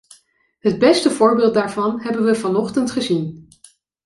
Het beste voorbeeld daarvan hebben we vanochtend gezien.